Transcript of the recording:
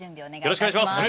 よろしくお願いします！